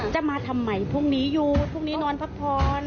จะมาทำไมพรุ่งนี้อยู่พรุ่งนี้นอนพักผ่อน